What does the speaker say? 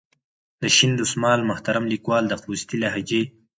د شین دسمال محترم لیکوال د خوستي لهجې.